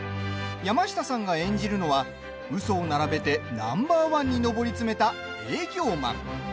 山下さんが演じるのはうそを並べてナンバー１に登り詰めた営業マン。